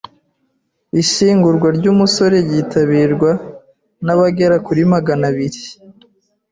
ishyingurwa ry’umusore ryitabirwa n’abagera kuri magana biri.